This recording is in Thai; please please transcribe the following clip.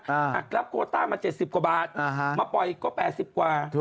หักรับโคต้ามา๗๐กว่าบาทมาปล่อยก็๘๐กว่า